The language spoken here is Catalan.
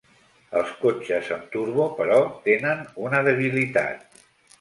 Els cotxes amb turbo però tenen una debilitat: